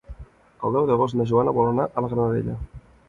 El deu d'agost na Joana vol anar a la Granadella.